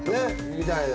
みたいな。